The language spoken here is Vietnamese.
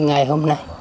ngày hôm nay